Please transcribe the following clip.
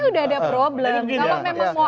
sudah ada problem kalau memang mau